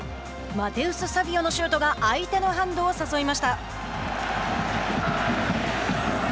マテウス・サヴィオのシュートが相手のハンドを誘いました。